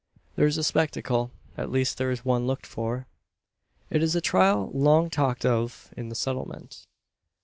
There is a spectacle at least there is one looked for. It is a trial long talked of in the Settlement.